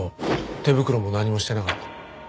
手袋も何もしてなかった。